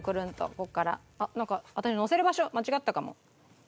ここからあっなんか私のせる場所間違ったかも。